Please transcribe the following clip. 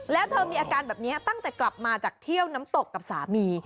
แล้วเธอมีอาการแบบนี้ตั้งแต่กลับมาจากเที่ยวน้ำตกกับสามี